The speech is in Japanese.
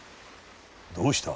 どうした？